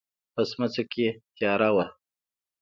په سمڅه کې تياره وه.